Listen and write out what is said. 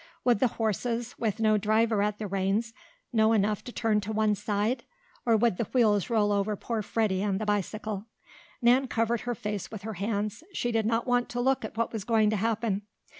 Would the horses, with no driver at the reins, know enough to turn to one side, or would the wheels roll over poor Freddie and the bicycle? Nan covered her face with her hands. She did not want to look at what was going to happen.